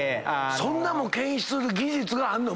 そんなんも検出する技術があるの？